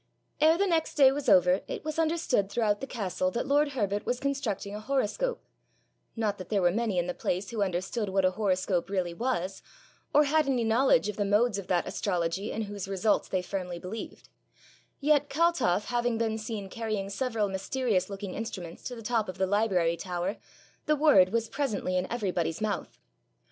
Ere the next day was over, it was understood throughout the castle that lord Herbert was constructing a horoscope not that there were many in the place who understood what a horoscope really was, or had any knowledge of the modes of that astrology in whose results they firmly believed; yet Kaltoff having been seen carrying several mysterious looking instruments to the top of the library tower, the word was presently in everybody's mouth.